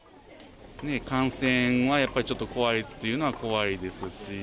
感染はやっぱりちょっと怖いっていうのは怖いですし。